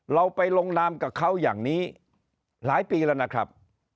เราไปลงนามกับเขาอย่างนี้หลายปีแล้วนะครับ